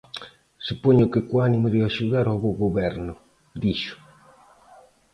"Supoño que co ánimo de axudar ao bo goberno", dixo.